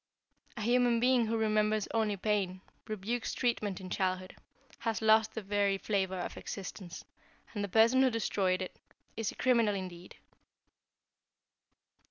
"A human being who remembers only pain, rebukes treatment in childhood, has lost the very flavor of existence, and the person who destroyed it is a criminal indeed."